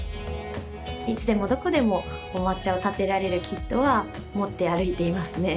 いつでもどこでもお抹茶をたてられるキットは持って歩いていますね